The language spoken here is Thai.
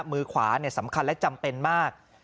มือขวาสำคัญและจำเป็นมาก